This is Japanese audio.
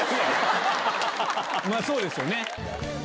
まぁそうですよね。